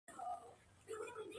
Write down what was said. Jeff Hall padecía un virus.